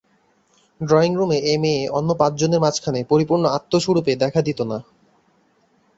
ড্রয়িংরুমে এ মেয়ে অন্য পাঁচজনের মাঝখানে পরিপূর্ণ আত্মস্বরূপে দেখা দিত না।